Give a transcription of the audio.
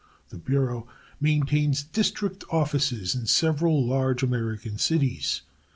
The Bureau maintains district offices in several large American cities.